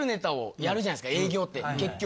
営業って結局。